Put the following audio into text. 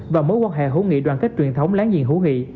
của quốc hệ hữu nghị đoàn kết truyền thống láng giềng hữu nghị